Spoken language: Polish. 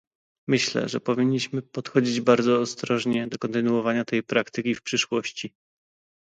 Myślę, że powinniśmy podchodzić bardzo ostrożnie do kontynuowania tej praktyki w przyszłości